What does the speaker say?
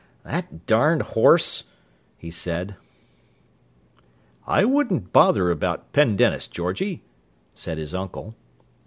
"That darned horse!" he said. "I wouldn't bother about Pendennis, Georgie," said his uncle.